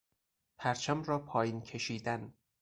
پرچم را پایین کشیدن